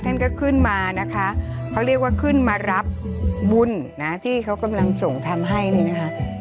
ท่านก็ขึ้นมานะคะเขาเรียกว่าขึ้นมารับบุญนะที่เขากำลังส่งทำให้นี่นะคะ